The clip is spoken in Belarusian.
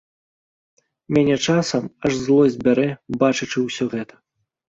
Мяне часам аж злосць бярэ, бачачы ўсё гэта.